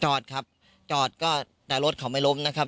จอดครับจอดก็แต่รถเขาไม่ล้มนะครับ